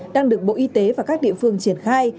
đang được bộ y tế và các địa phương triển khai